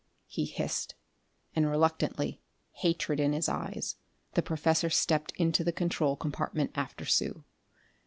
he hissed, and reluctantly, hatred in his eyes, the professor stepped into the control compartment after Sue.